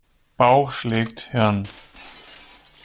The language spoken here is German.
Bauch schlägt Hirn.